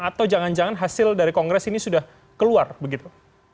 atau jangan jangan hasil dari kongres ini sudah keluar begitu